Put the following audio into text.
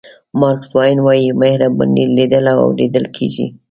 مارک ټواین وایي مهرباني لیدل او اورېدل کېږي.